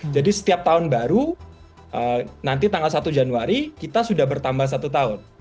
jadi setiap tahun baru nanti tanggal satu januari kita sudah bertambah satu tahun